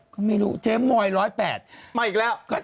ก็ไม่รู้เจ๊โมย๑๐๘